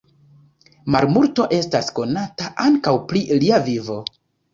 Malmulto estas konata ankaŭ pri lia vivo.